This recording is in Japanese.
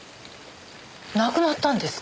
亡くなったんですか！？